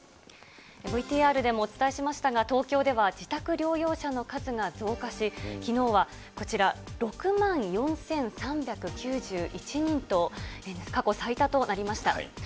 ＶＴＲでもお伝えしましたが、東京では自宅療養者の数が増加し、きのうはこちら、６万４３９１人と、過去最多となりました。